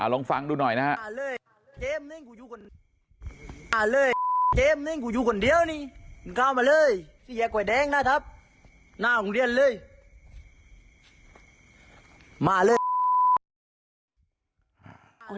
ลองฟังดูหน่อยนะฮะ